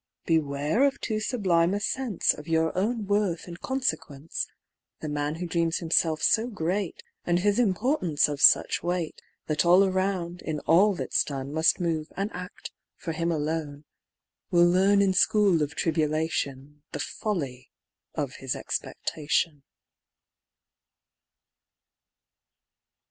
Beware of too sublime a sense Of your own worth and consequence: The man who dreams himself so great, And his importance of such weight, That all around, in all that's done, Must move and act for him alone, Will learn in school of tribulation The folly of his expectation.